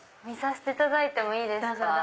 見させていただいていいですか？